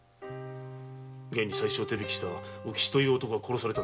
現に佐七を手引きした卯吉という男は殺された。